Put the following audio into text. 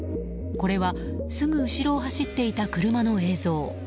これはすぐ後ろを走っていた車の映像。